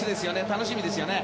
楽しみですよね。